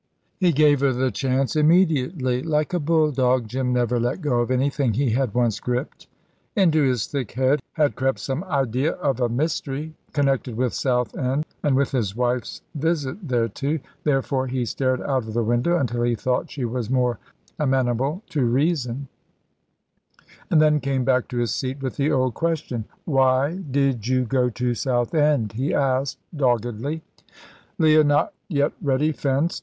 He gave her the chance immediately. Like a bulldog, Jim never let go of anything he had once gripped. Into his thick head had crept some idea of a mystery, connected with Southend and with his wife's visit thereto. Therefore he stared out of the window until he thought she was more amenable to reason, and then came back to his seat with the old question. "Why did you go to Southend?" he asked, doggedly. Leah, not yet ready, fenced.